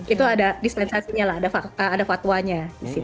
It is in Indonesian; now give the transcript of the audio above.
itu ada dispensasinya lah ada fatwanya